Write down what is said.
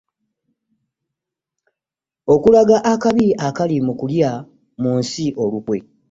Okulaga akabi akali mu kulya mu nsi olukwe.